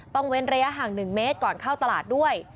เว้นระยะห่าง๑เมตรก่อนเข้าตลาดด้วย